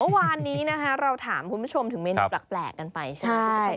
เมื่อวานนี้นะคะเราถามคุณผู้ชมถึงเมนูแปลกกันไปใช่ไหม